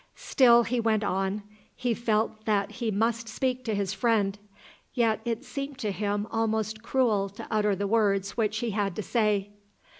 Still he went on. He felt that he must speak to his friend. Yet it seemed to him almost cruel to utter the words which he had to say.